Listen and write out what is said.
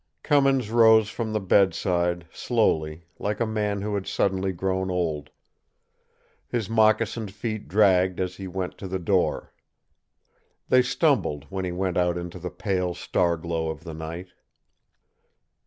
Cummins rose from the bedside, slowly, like a man who had suddenly grown old. His moccasined feet dragged as he went to the door. They stumbled when he went out into the pale star glow of the night.